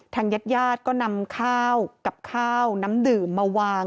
ญาติญาติก็นำข้าวกับข้าวน้ำดื่มมาวาง